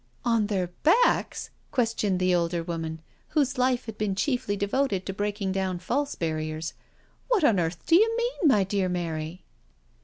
"On their backs?" questioned the older woman, whose life had been chiefly devoted to breaking down false barriers; " what on earth do you mean, my dear Mary?